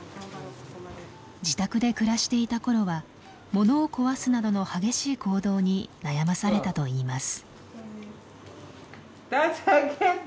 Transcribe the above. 自宅で暮らしていた頃は物を壊すなどの激しい行動に悩まされたといいます。